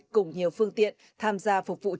cùng nhiều phương tiện tham gia phục vụ trợ cháy